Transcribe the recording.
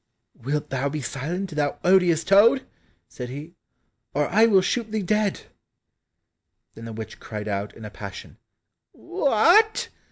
"Wilt thou be silent, thou odious toad," said he, "or I will shoot thee dead." Then the witch cried out in a passion, "What!